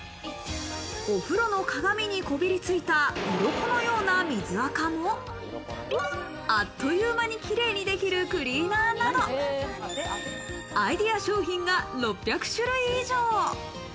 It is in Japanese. お風呂の鏡にこびりついた、うろこのような水あかも、あっという間に綺麗にできるクリーナーなど、アイデア商品が６００種類以上。